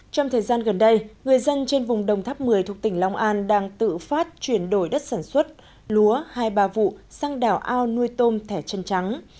trong thời gian gần đây người dân trên vùng đồng tháp một mươi thuộc tỉnh long an đang tự phát chuyển đổi đất sản xuất lúa hai ba vụ sang đảo ao nuôi tôm thẻ chân trắng